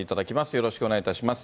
よろしくお願いします。